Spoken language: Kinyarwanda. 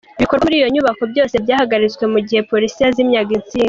Ibikorerwa muri iyo nyubako byose byahagaritswe mu gihe Polisi yazimyaga insinga.